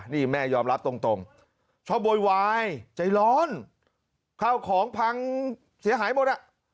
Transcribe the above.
นี่แม่ยอมรับตรงชอบโวยวายใจร้อนข้าวของพังเสียหายหมดอ่ะ